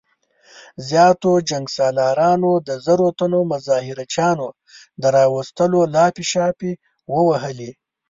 زياتو جنګ سالارانو د زرو تنو مظاهره چيانو د راوستلو لاپې شاپې ووهلې.